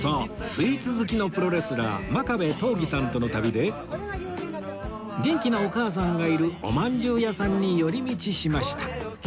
スイーツ好きのプロレスラー真壁刀義さんとの旅で元気なお母さんがいるおまんじゅう屋さんに寄り道しました